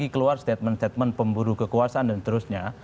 keluar statement statement pemburu kekuasaan dan terusnya